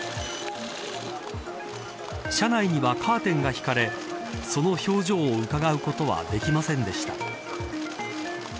車内にはカーテンが引かれその表情をうかがうことはできませんでした。